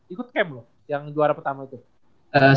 ikut camp loh yang juara pertama itu